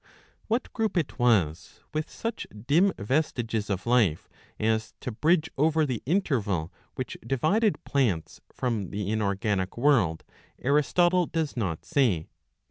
* What group it was with such dim vestiges of life as to bridge over the interval which divided plants from the inorganic world, Aristotle does not say.